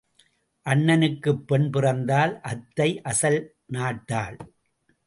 அண்ணனுக்குப் பெண் பிறந்தால் அத்தை அசல் நாட்டாள்.